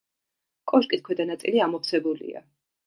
კოშკის ქვედა ნაწილი ამოვსებულია.